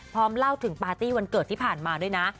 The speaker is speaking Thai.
เล่าถึงปาร์ตี้วันเกิดที่ผ่านมาด้วยนะ